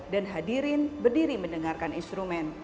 dan hadirin berdiri mendengarkan instrumen